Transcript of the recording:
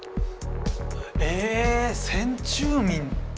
ええ先住民。